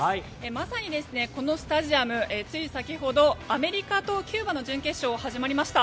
まさにこのスタジアムつい先ほどアメリカとキューバの準決勝が始まりました。